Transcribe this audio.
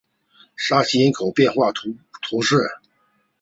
沙西人口变化图示